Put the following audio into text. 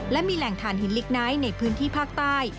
และมีแหล่งฐานหินลิกไนท์ในพื้นที่ภาคใต้